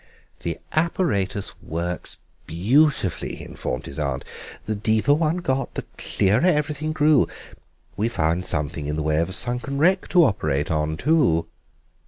"The apparatus works beautifully," he informed his aunt; "the deeper one got the clearer everything grew. We found something in the way of a sunken wreck to operate on, too!"